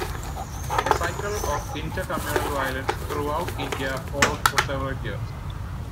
A cycle of inter-communal violence throughout India followed for several years.